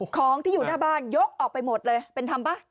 ของที่อยู่หน้าบ้านยกออกไปหมดเลยเป็นทำป่ะ